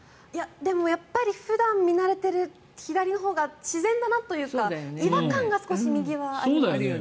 でも、やっぱり普段見慣れてる左のほうが自然だなというか違和感が右は少しあります。